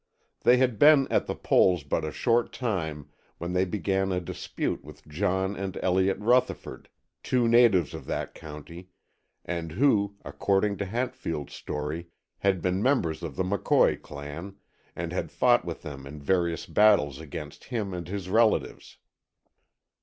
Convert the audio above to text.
They had been at the polls but a short time when they began a dispute with John and Elliott Rutherford, two natives of that county, and who, according to Hatfield's story, had been members of the McCoy clan, and had fought with them in various battles against him and his relatives.